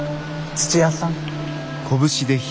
土屋さん。